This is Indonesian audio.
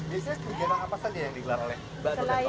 biasanya kegiatan apa saja yang digelar oleh mbak dan kawan kawan